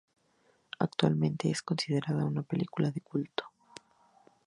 Actualmente es considerada una película de culto.